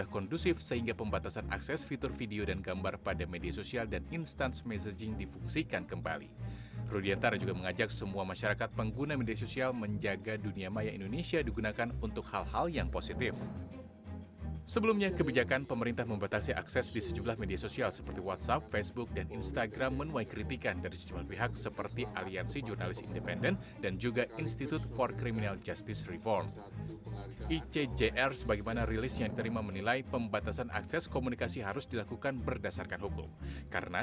kalau video itu bisa langsung kepada emosi itu yang kita harapkan